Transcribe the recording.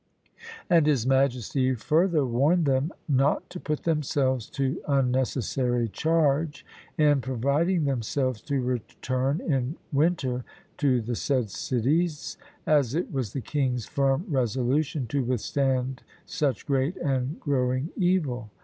And his majesty further warned them "Not to put themselves to unnecessary charge in providing themselves to return in winter to the said cities, as it was the king's firm resolution to withstand such great and growing evil."